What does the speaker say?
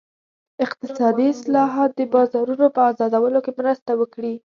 اقتصادي اصلاحات د بازارونو په ازادولو کې مرسته وکړي.